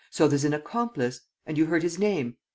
"So there's an accomplice! And you heard his name!